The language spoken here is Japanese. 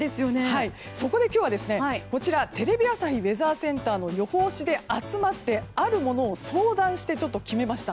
そこで今日はテレビ朝日ウェザーセンターの予報士で集まってあるものを相談して決めました。